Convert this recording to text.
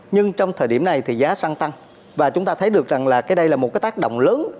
nhưng trong thời điểm này thì giá xăng tăng và chúng ta thấy được rằng là cái đây là một cái tác động lớn